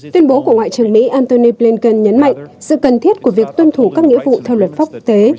tuyên bố của ngoại trưởng mỹ antony blinken nhấn mạnh sự cần thiết của việc tuân thủ các nghĩa vụ theo luật pháp quốc tế